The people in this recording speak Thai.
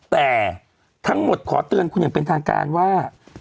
แต่ทั้งหมดขอเตือนคุณอย่างเป็นทางการว่า